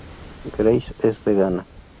Grace es vegana.